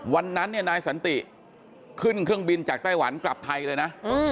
วันนั้นเนี่ยนายสันติขึ้นเครื่องบินจากไต้หวันกลับไทยเลยนะ